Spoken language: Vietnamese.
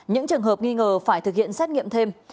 những trường hợp nghi ngờ phải thực hiện xét nghiệm thêm